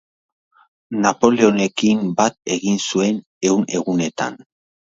Napoleonekin bat egin zuen Ehun Egunetan.